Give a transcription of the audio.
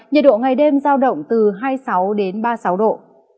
nhiệt độ ngày đêm giao động từ hai mươi sáu đến ba mươi sáu độ